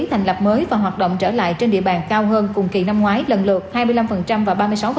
thành lập mới và hoạt động trở lại trên địa bàn cao hơn cùng kỳ năm ngoái lần lượt hai mươi năm và ba mươi sáu